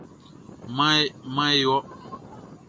Maan e wɔ.